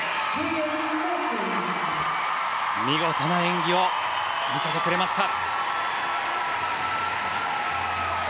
見事な演技を見せてくれました。